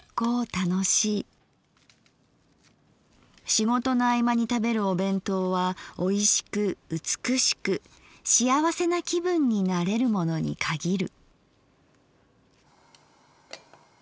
仕事の合間に食べるお弁当は美味しく美しくしあわせな気分になれるものに限る」。